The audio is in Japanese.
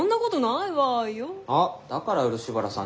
あっだから漆原さん